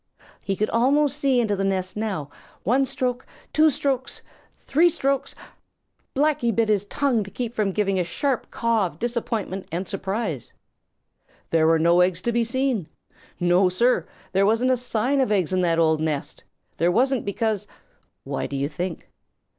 He could almost see into the nest now. One stroke! Two strokes! Three strokes! Blacky bit his tongue to keep from giving a sharp caw of disappointment and surprise. There were no eggs to be seen. No, Sir, there wasn't a sign of eggs in that old nest. There wasn't because why, do you think?